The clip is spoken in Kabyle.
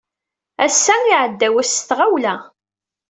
Ass-a, iɛedda wass s tɣawla.